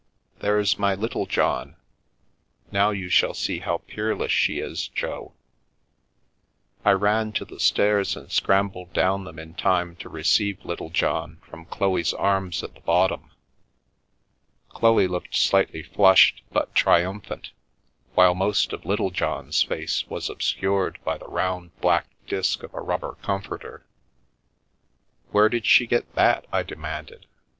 " There's my LittlejohnI Now you shall see how peerless she is, Jb!" I ran to the stairs and scrambled down them in time to receive Littlejohn from Chloe's arms at the bottom. Chloe looked slightly flushed but triumphant, while most of Littlejohn's face was obscured by the round black disc of a rubber u comforter." "Where did she get that?" I demanded.